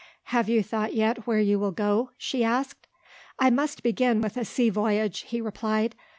"Have you thought yet where you will go?" she asked. "I must begin with a sea voyage," he replied.